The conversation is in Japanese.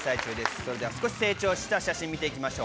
それでは少し成長した写真見ていきましょう。